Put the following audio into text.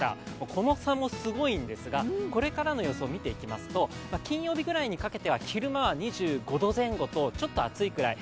この差もすごいんですがこれからの予想を見ていきますと、金曜日ぐらいにかけては昼間は２５度前後とちょっと暑いくらい。